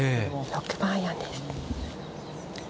６番アイアンです。